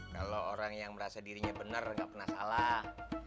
kalau orang yang merasa dirinya benar nggak pernah salah